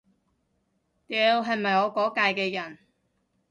屌，係咪我嗰屆嘅人